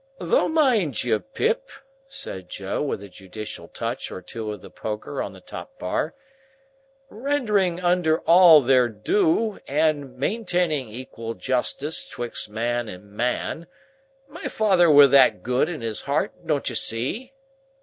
"Though mind you, Pip," said Joe, with a judicial touch or two of the poker on the top bar, "rendering unto all their doo, and maintaining equal justice betwixt man and man, my father were that good in his hart, don't you see?"